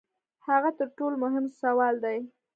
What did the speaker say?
هغه تر ټولو مهم سوال دی.